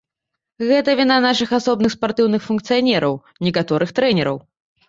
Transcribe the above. Гэта віна нашых асобных спартыўных функцыянераў, некаторых трэнераў.